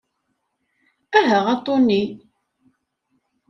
Aha a Tony.